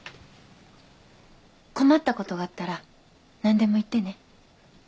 困ったことがあったら何でも言ってね。